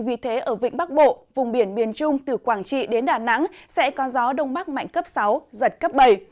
vì thế ở vịnh bắc bộ vùng biển miền trung từ quảng trị đến đà nẵng sẽ có gió đông bắc mạnh cấp sáu giật cấp bảy